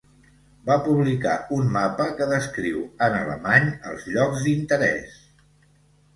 Va publicar un mapa que descriu en alemany els llocs d'interès.